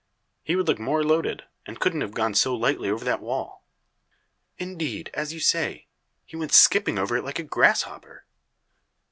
He would look more loaded, and couldn't have gone so lightly over that wall." "Indeed, as you say, he went skipping over it like a grasshopper."